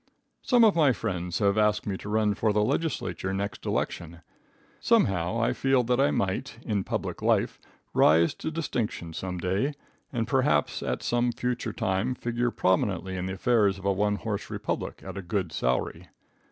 Some of my friends have asked me to run for the Legislature here next election. Somehow I feel that I might, in public life, rise to distinction some day, and perhaps at some future time figure prominently in the affairs of a one horse republic at a good salary.